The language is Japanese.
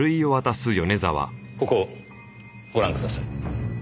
ここをご覧ください。